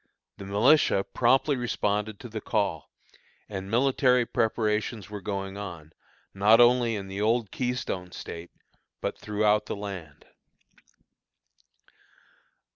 The militia promptly responded to the call, and military preparations were going on, not only in the old Keystone State, but throughout the land.